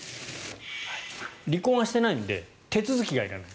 離婚はしていないので手続きがいらない。